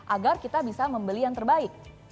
agar kita bisa membeli yang terbaik